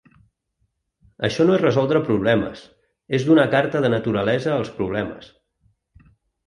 Això no és resoldre problemes, és donar carta de naturalesa als problemes.